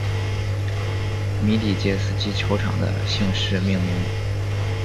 米底捷斯基球场的姓氏命名。